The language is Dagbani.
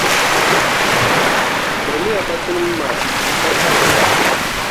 Tirimiya bachinima maa ka karinda.